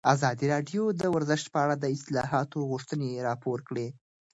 ازادي راډیو د ورزش په اړه د اصلاحاتو غوښتنې راپور کړې.